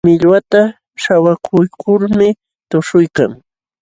Millwata śhawakuykulmi tuśhuykan.